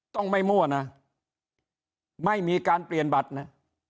ต้องไม่มั่วนะไม่มีการเปลี่ยนบัตรนะ